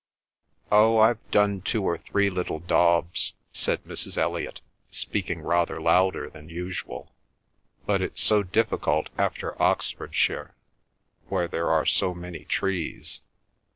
"Oh, I've done two or three little daubs," said Mrs. Elliot, speaking rather louder than usual. "But it's so difficult after Oxfordshire, where there are so many trees.